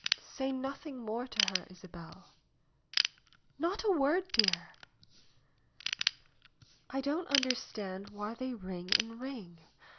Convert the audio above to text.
"Say nothing more to her, Isabel." "Not a word, dear." "I don't understand why they ring and ring.